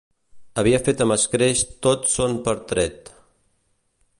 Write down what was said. Havia fet amb escreix tot son pertret.